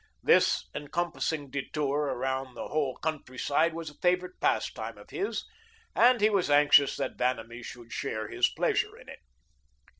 This encompassing detour around the whole country side was a favorite pastime of his and he was anxious that Vanamee should share his pleasure in it.